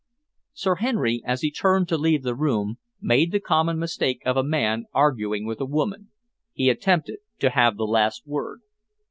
Sir Henry, as he turned to leave the room, made the common mistake of a man arguing with a woman he attempted to have the last word.